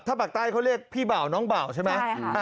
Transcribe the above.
ถ้าปากใต้เขาเรียกพี่บ่าวน้องบ่าวใช่ไหม